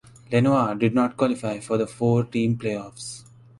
Lenoir did not qualify for the four–team playoffs.